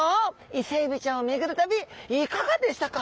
イセエビちゃんを巡る旅いかがでしたか？